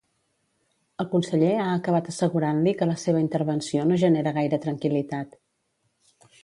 El conseller ha acabat assegurant-li que la seva intervenció no genera gaire tranquil·litat.